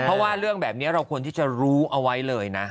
เพราะว่าเรื่องแบบนี้เราควรที่จะรู้เอาไว้เลยนะ